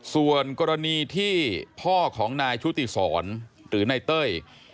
ส่วนกรณีที่พ่อของนายชุติศรหรือนายเต้ย